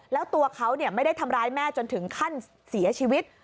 แล้วตัวเขาไม่ได้ทำร้ายแม่จนถึงขั้นเสียชีวิต